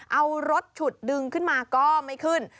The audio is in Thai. เอารถฉุดดึงขึ้นมาก็ไม่ขึ้น